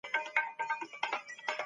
خشونت بايد په ټولنه کې ختم سي.